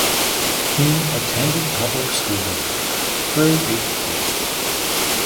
He attended public school there through eighth grade.